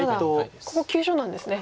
ここ急所なんですね。